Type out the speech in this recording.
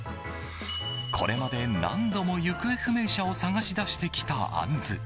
これまで何度も行方不明者を捜し出してきたアンズ。